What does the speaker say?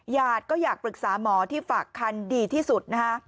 ญาติก็อยากปรึกษาหมอที่ฝากคันดีที่สุดนะคะ